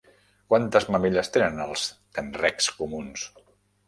Quantes mamelles tenen els tenrecs comuns?